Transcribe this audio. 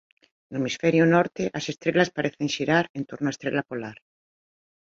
No hemisferio Norte as estrelas parecen xirar en torno á Estrela Polar.